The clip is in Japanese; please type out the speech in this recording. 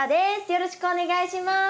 よろしくお願いします。